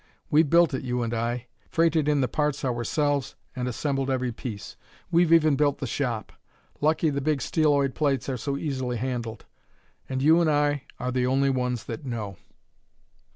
We've built it, you and I; freighted in the parts ourselves and assembled every piece. We've even built the shop: lucky the big steeloid plates are so easily handled. And you and I are the only ones that know.